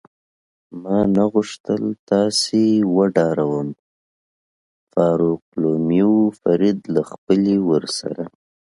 ما نه غوښتل تاسې وډاروم، فاروقلومیو فرید له خپلې ورسره.